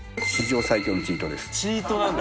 チートなんだ。